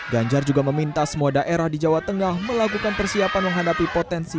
ganjar juga meminta semua daerah di jawa tengah melakukan persiapan menghadapi potensi